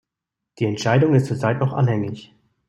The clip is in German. Die Entscheidung ist zurzeit noch anhängig.